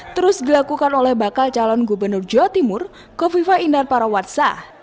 terus dilakukan oleh bakal calon gubernur jawa timur kofifa indar parawatsa